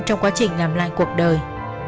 trong quá trình làm lại cuộc đời